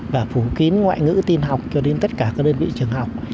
và phủ kín ngoại ngữ tin học cho đến tất cả các đơn vị trường học